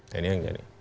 dan ini yang jadi